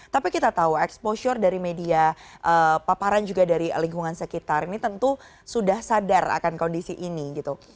tapi kita tahu exposure dari media paparan juga dari lingkungan sekitar ini tentu sudah sadar akan kondisi ini gitu